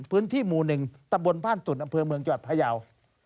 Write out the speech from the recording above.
พื้นที่หมู่๑ตำบลบ้านตุ่นอำเภอเมืองจังหวัดพยาว